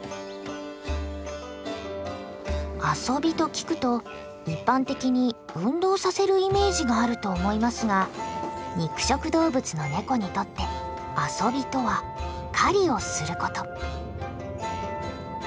遊びと聞くと一般的に運動させるイメージがあると思いますが肉食動物のネコにとって遊びとは狩りをすること。